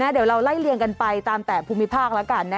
เดี๋ยวเราไล่เลี่ยงกันไปตามแต่ภูมิภาคแล้วกัน